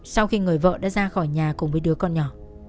sau khi người vợ đã ra khỏi nhà cùng với đứa con nhỏ